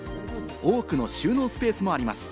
多くの収納スペースもあります。